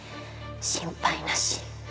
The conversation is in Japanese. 心配なし。